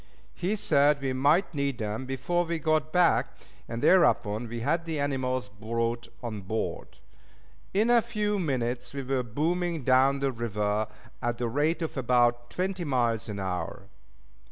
He said we might need them before we got back, and thereupon we had the animals brought on board. In a few minutes we were booming down the river at the rate of about twenty miles an hour.